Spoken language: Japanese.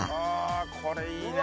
これいいね。